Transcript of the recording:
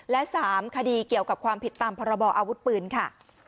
และ๓คดีเกี่ยวกับความผิดตามพรบออาวุธปืนค่ะ